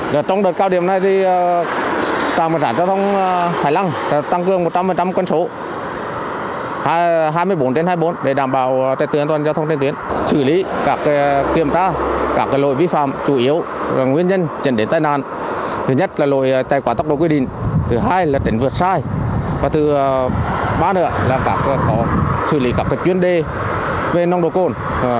làng tạp có xử lý các chuyên đề về nồng độ côn